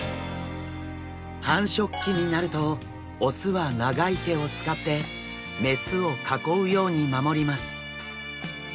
繁殖期になると雄は長い手を使って雌を囲うように守ります。